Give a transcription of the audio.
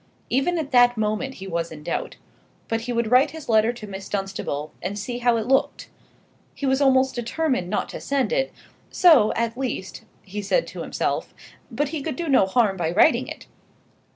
Even at that moment he was in doubt. But he would write his letter to Miss Dunstable and see how it looked. He was almost determined not to send it; so, at least, he said to himself: but he could do no harm by writing it.